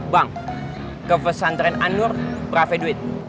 bang ke vesantren anur berapa duit